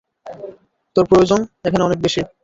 তোর প্রয়োজন এখানে অনেক বেশি।